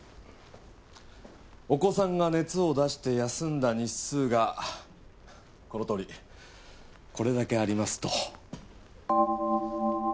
お子さんが熱を出して休んだ日数がこのとおりこれだけありますと。